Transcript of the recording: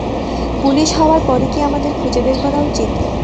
Police হওয়ার পরই কি আমাদের খুঁজে বের করা উচিত?